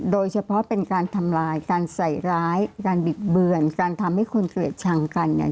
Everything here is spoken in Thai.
โดยเฉพาะเป็นการทำลายการใส่ร้ายการบิดเบือนการทำให้คนเกลียดชังกันเนี่ย